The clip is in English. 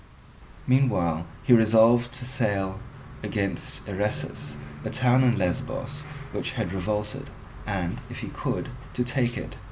Meanwhile he resolved to sail against Eresus, a town in Lesbos which had revolted, and, if he could, to take it.